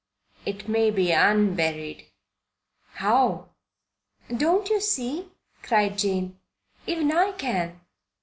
"It may be unburied." "How?" "Don't you see?" cried Jane. "Even I can.